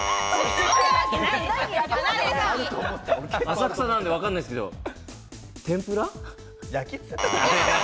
浅草なんでわかんないですけど、天ぷら？